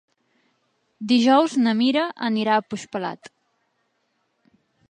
Dijous na Mira anirà a Puigpelat.